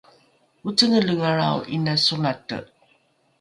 ocengelengalrao ’ina solate